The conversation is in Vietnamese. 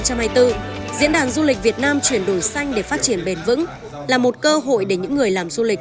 diễn đàn du lịch việt nam chuyển đổi xanh để phát triển bền vững là một cơ hội để những người làm du lịch